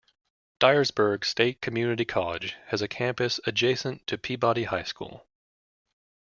Dyersburg State Community College has a campus adjacent to Peabody High School.